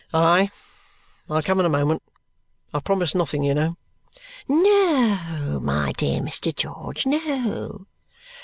"Aye! I'll come in a moment. I promise nothing, you know." "No, my dear Mr. George; no."